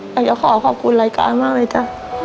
อยากจะขอขอบคุณรายการมากเลยจ้ะ